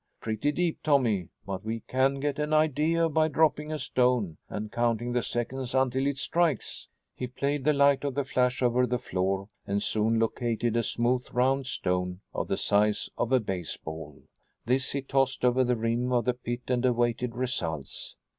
"Pretty deep, Tommy. But we can get an idea by dropping a stone and counting the seconds until it strikes." He played the light of the flash over the floor and soon located a smooth round stone of the size of a baseball. This he tossed over the rim of the pit and awaited results.